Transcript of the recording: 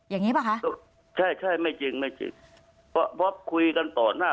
อย่างนี้ป่ะคะใช่ใช่ไม่จริงไม่จริงเพราะคุยกันต่อหน้า